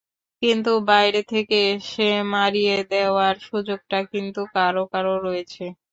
কিন্তু বাইরে থেকে এসে মাড়িয়ে দেওয়ার সুযোগটা কিন্তু কারও কারও রয়েছে।